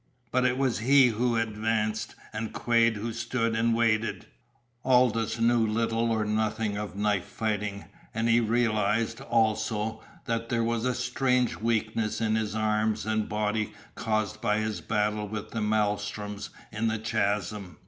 But it was he who advanced, and Quade who stood and waited. Aldous knew little or nothing of knife fighting; and he realized, also, that there was a strange weakness in his arms and body caused by his battle with the maelstroms in the chasm.